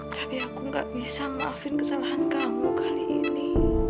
tapi aku gak bisa maafin kesalahan kamu kali ini